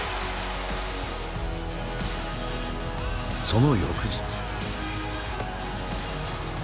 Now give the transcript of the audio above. その翌日。